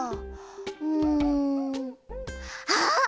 うんあっ！